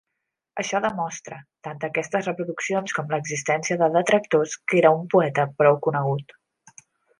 Això demostra, tant aquestes reproduccions com l'existència de detractors, que era un poeta prou conegut.